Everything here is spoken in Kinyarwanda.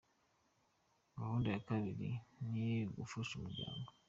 Gahunda ya kabiri ni ugufasha umuryango.